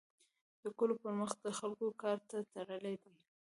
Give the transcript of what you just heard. د کلو پرمختګ د خلکو کار ته تړلی دی.